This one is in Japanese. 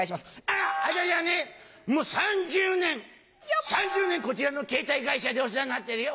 「あぁ私はねもう３０年 ３０ 年こちらのケータイ会社でお世話になってるよ」。